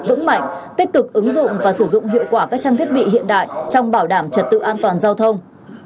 vững mạnh tích cực ứng dụng và sử dụng hiệu quả các trang thiết bị hiện đại trong bảo đảm trật tự an toàn giao thông